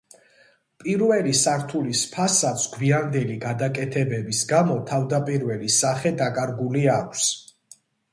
პირველი სართულის ფასადს გვიანდელი გადაკეთებების გამო თავდაპირველი სახე დაკარგული აქვს.